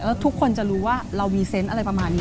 แล้วทุกคนจะรู้ว่าเรารีเซนต์อะไรประมาณนี้